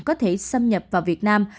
có thể xâm nhập vào việt nam